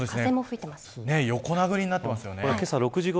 横殴りになってますよね。